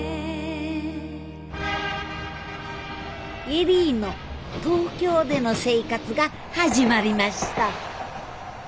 恵里の東京での生活が始まりました